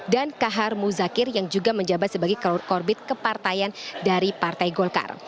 dan kahar muzakir yang juga menjabat sebagai korbit kepartaian dari partai golkar